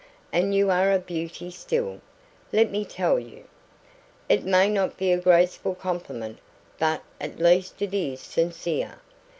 And you are a beauty still, let me tell you. It may not be a graceful compliment, but at least it is sincere.